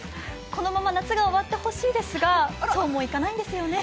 このまま夏が終わってほしいですがそうもいかないんですよね？